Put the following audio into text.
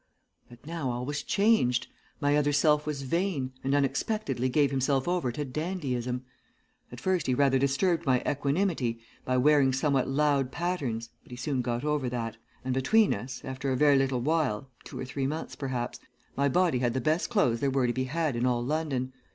"But now all was changed. My other self was vain, and unexpectedly gave himself over to dandyism. At first he rather disturbed my equanimity by wearing somewhat loud patterns, but he soon got over that, and between us, after a very little while, two or three months perhaps, my body had the best clothes there were to be had in all London.